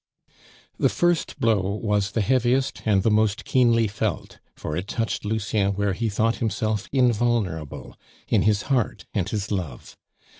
The first blow was the heaviest and the most keenly felt, for it touched Lucien where he thought himself invulnerable in his heart and his love.